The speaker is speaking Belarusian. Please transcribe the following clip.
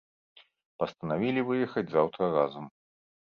Пастанавілі выехаць заўтра разам.